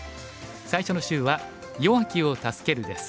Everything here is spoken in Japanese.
最初の週は「弱きを助ける」です。